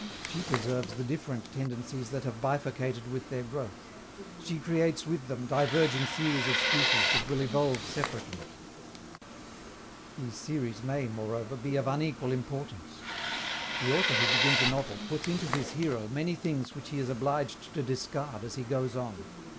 She preserves the different tendencies that have bifurcated with their growth. She creates with them diverging series of species that will evolve separately. These series may, moreover, be of unequal importance. The author who begins a novel puts into his hero many things which he is obliged to discard as he goes on.